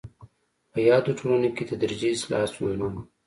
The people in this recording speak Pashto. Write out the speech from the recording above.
په یادو ټولنو کې تدریجي اصلاحات ستونزمن وو.